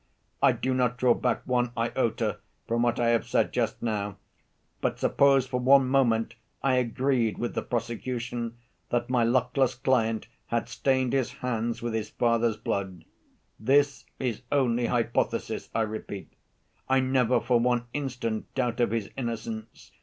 "I do not draw back one iota from what I have said just now, but suppose for one moment I agreed with the prosecution that my luckless client had stained his hands with his father's blood. This is only hypothesis, I repeat; I never for one instant doubt of his innocence.